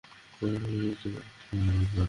গ্রাজি একটা চমৎকার মেয়ে।